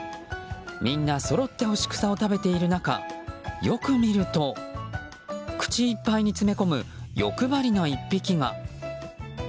みんなそろって干し草を食べている中よく見ると口いっぱいに詰め込む欲張りな１匹が。